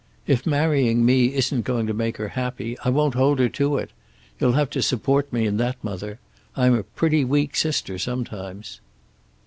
"If marrying me isn't going to make her happy, I won't hold her to it. You'll have to support me in that, mother. I'm a pretty weak sister sometimes."